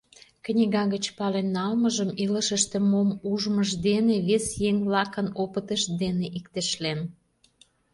Книга гыч пален налмыжым илышыште мом ужмыж дене, вес еҥ-влакын опытышт дене иктешлен.